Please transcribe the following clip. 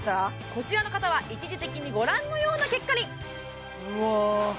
こちらの方は一時的にご覧のような結果にうわ